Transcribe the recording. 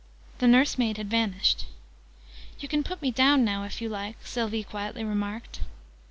The nursemaid had vanished! "You can put me down, now, if you like," Sylvie quietly remarked.